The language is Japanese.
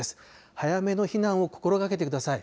早めの避難を心がけてください。